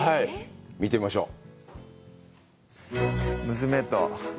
見てみましょう。